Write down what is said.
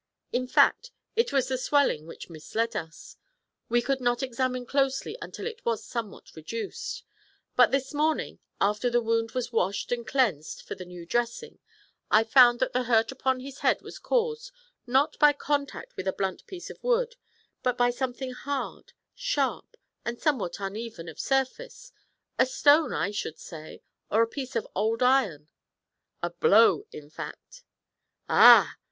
In fact, it was the swelling which misled us. We could not examine closely until it was somewhat reduced; but this morning, after the wound was washed and cleansed for the new dressing, I found that the hurt upon the head was caused, not by contact with a blunt piece of wood, but by something hard, sharp, and somewhat uneven of surface; a stone, I should say, or a piece of old iron a blow, in fact.' 'Ah!'